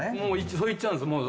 そう言っちゃうんです。